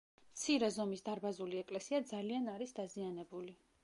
მცირე ზომის დარბაზული ეკლესია ძალიან არის დაზიანებული.